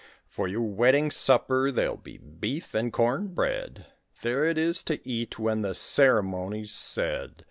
For your wedding supper, there'll be beef and cornbread; There it is to eat when the ceremony's said.